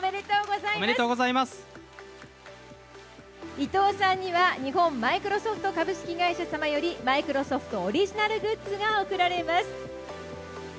伊藤さんには日本マイクロソフト株式会社からマイクロソフトオリジナルグッズが贈られます。